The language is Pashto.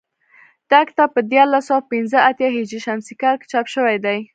دا کتاب په دیارلس سوه پنځه اتیا هجري شمسي کال کې چاپ شوی دی